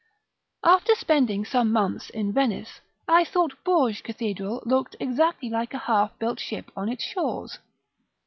After spending some months in Venice, I thought Bourges Cathedral looked exactly like a half built ship on its shores.